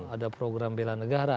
ada program bela negara